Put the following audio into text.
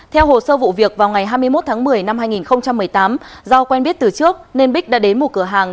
theo hồ sơ vụ việc vào ngày hai mươi một tháng một mươi năm hai nghìn một mươi tám do quen biết từ trước nên bích đã đến một cửa hàng